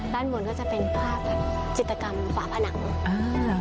ด้านบนก็จะเป็นภาพจิตกรรมฝาผนังอ่า